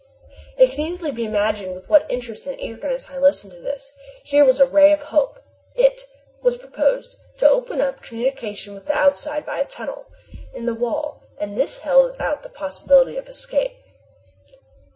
It can easily be imagined with what interest and eagerness I listened to this. Here was a ray of hope. It. was proposed to open up communication with the outside by a tunnel in the wall, and this held out the possibility of escape.